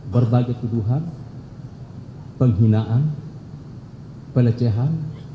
berbagai tuduhan penghinaan pelecehan